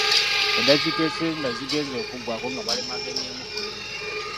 Eddakiika ekyenda zigenze okuggwako nga balemaganye emu ku emu.